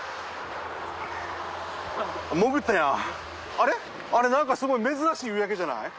アレ何かスゴイ珍しい夕焼けじゃない？